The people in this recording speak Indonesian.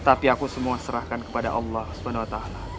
tapi aku semua serahkan kepada allah swt